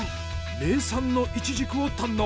名産のイチジクを堪能。